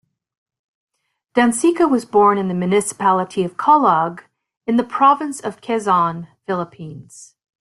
Danseco was born in the municipality of Calauag in the province of Quezon, Philippines.